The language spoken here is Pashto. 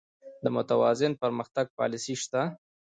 د متوازن پرمختګ پالیسي شته؟